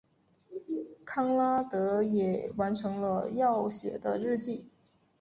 康拉德也完成了要写的日记。